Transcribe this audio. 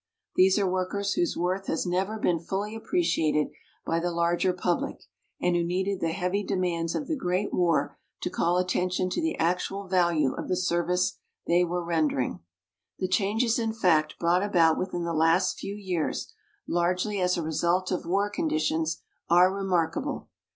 These are workers whose worth has never been fully appreciated by the larger public, and who needed the heavy demands of the great war to call attention to the actual value of the service they were rendering. The changes in fact brought about within the last few years, largely as a result of war conditions, are remarkable.